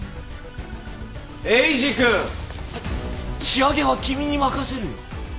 仕上げは君に任せるよ。